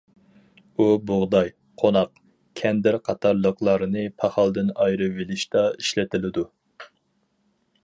ئۇ بۇغداي، قوناق، كەندىر قاتارلىقلارنى پاخالدىن ئايرىۋېلىشتا ئىشلىتىلىدۇ.